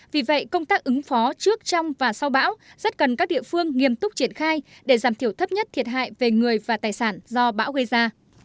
vì vậy công tác ứng phó trước trong và sau bão rất cần các địa phương nghiêm túc triển khai để giảm thiểu thấp nhất thiệt hại về người và tài sản do bão gây ra